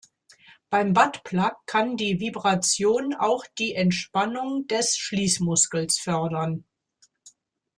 Beim Butt-Plug kann die Vibration auch die Entspannung des Schließmuskels fördern.